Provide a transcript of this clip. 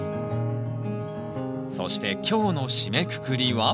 そして今日の締めくくりは？